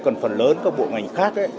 còn phần lớn các bộ ngành khác